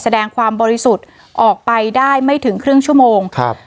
แสดงความบริสุทธิ์ออกไปได้ไม่ถึงครึ่งชั่วโมงครับ